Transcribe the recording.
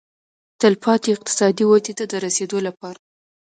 تلپاتې اقتصادي ودې ته د رسېدو لپاره.